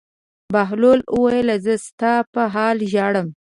بهلول وویل: زه ستا په حال ژاړم.